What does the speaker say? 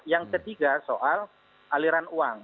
yang ketiga soal aliran uang